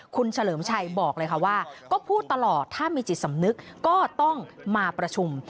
คุณเฉลิมชัยบอกเลยค่ะว่าก็พูดตลอดถ้ามีจิตสำนึกก็ต้องมาประชุม